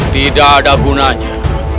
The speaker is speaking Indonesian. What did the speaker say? tidak ada gunanya